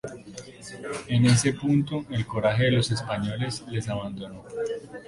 En ese punto, el coraje de los españoles les abandonó.